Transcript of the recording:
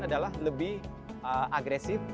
adalah lebih agresif